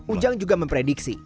ujang juga memprediksi